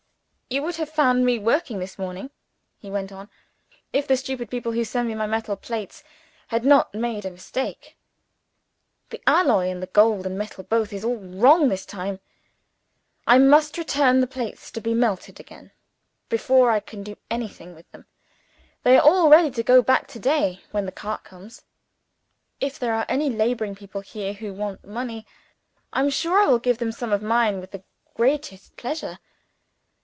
"You would have found me at work this morning," he went on, "if the stupid people who send me my metal plates had not made a mistake. The alloy, in the gold and silver both, is all wrong this time. I must return the plates to be melted again before I can do anything with them. They are all ready to go back to day, when the cart comes. If there are any laboring people here who want money, I'm sure I will give them some of mine with the greatest pleasure.